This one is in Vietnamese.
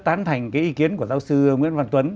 tán thành cái ý kiến của giáo sư nguyễn văn tuấn